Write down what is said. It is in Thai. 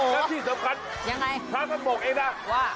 แล้วที่สำคัญค้าต้องบอกเองล่ะ